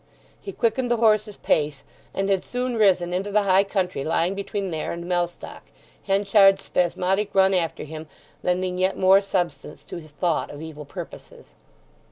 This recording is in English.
He quickened the horse's pace, and had soon risen into the high country lying between there and Mellstock, Henchard's spasmodic run after him lending yet more substance to his thought of evil purposes.